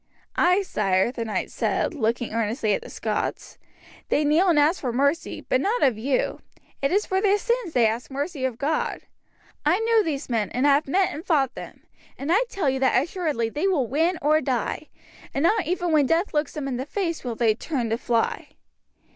"Ay, sire," the knight said, looking earnestly at the Scots, "they kneel and ask for mercy, but not of you; it is for their sins they ask mercy of God. I know these men, and have met and fought them, and I tell you that assuredly they will win or die, and not even when death looks them in the face will they turn to fly."